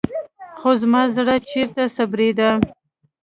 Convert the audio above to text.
خو زما زړه چېرته صبرېده.